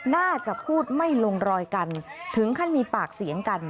น่าจะพูดไม่ลงรอยกันถึงขั้นมีปากเสียงกัน